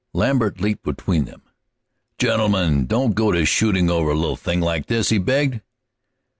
Lambert leaped between them. "Gentlemen, don't go to shootin' over a little thing like this!" he begged.